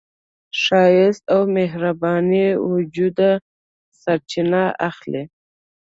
ښایست له مهربان وجوده سرچینه اخلي